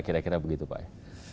kira kira begitu pak